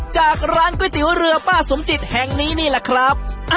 จากร้านก๋วยเตี๋ยวเรือป้าสมจิตแห่งนี้นี่แหละครับ